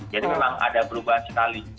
jadi memang ada perubahan sekali